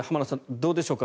どうでしょうか。